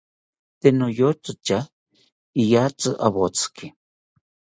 Tee niyotzi tya iyatzi awotzi